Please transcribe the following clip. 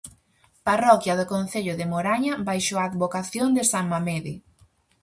Parroquia do concello de Moraña baixo a advocación de san Mamede.